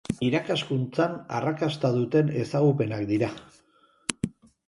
Irakaskuntzan arrakasta duten ezagupenak dira.